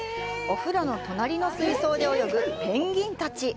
お風呂の隣の水槽で泳ぐペンギンたち！